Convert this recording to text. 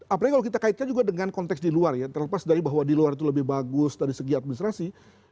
apalagi kalau kita kaitkan juga dengan konteks di luar ya terlepas dari bahwa di luar itu lebih bagus dari segi administrasi